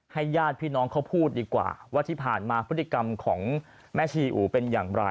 ญาติพี่น้องเขาพูดดีกว่าว่าที่ผ่านมาพฤติกรรมของแม่ชีอู๋เป็นอย่างไร